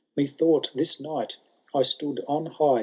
Methought this night I stood on high.